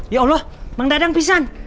ya allah menggadang pisan